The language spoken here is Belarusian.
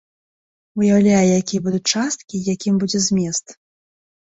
Уяўляю, якія будуць часткі і якім будзе змест.